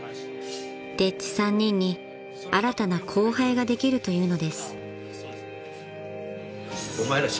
［丁稚３人に新たな後輩ができるというのです］